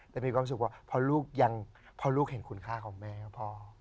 แต่มีความสุขเพราะลูกยังเพราะลูกเห็นคุณค่าของแม่กับพ่อ